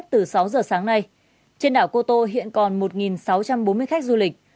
trên đảo cô tô hiện còn một sáu trăm bốn mươi khách du lịch